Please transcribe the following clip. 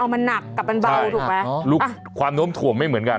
เอามันหนักกับมันเบาถูกไหมความโน้มถวมไม่เหมือนกัน